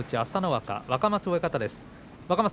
朝乃若の若松親方です。